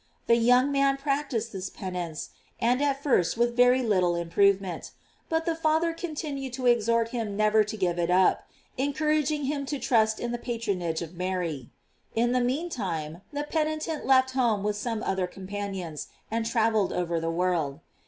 The young man practised this penance, and at first with very little improvement; but the father continued to exhort him never to give it up, encouraging him to trust in the patronage of Mary. In the mean time, the penitent left home with some other companions, and travelled over the world.